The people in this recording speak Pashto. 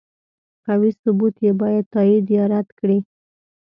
قوي ثبوت یې باید تایید یا رد کړي.